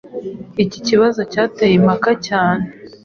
Iki kibazo cyateye impaka cyane